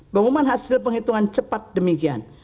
pengumuman hasil penghitungan cepat demikian